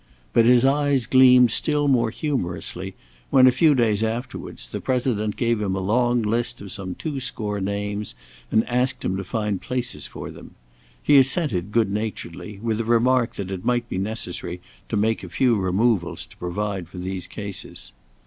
But his eyes gleamed still more humorously when, a few days afterwards, the President gave him a long list of some two score names, and asked him to find places for them. He assented good naturedly, with a remark that it might be necessary to make a few removals to provide for these cases.